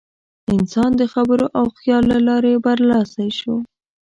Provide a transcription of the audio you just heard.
انسان د خبرو او خیال له لارې برلاسی شو.